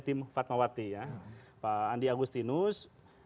tim fatmawati ya pak andi agustinus